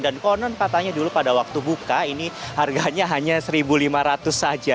dan konon katanya dulu pada waktu buka ini harganya hanya rp satu lima ratus saja